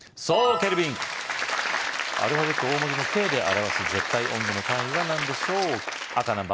ケルビンアルファベット大文字のＫで表す絶対温度の単位は何でしょう赤何番？